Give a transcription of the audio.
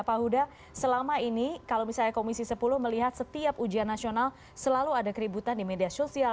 pak huda selama ini kalau misalnya komisi sepuluh melihat setiap ujian nasional selalu ada keributan di media sosial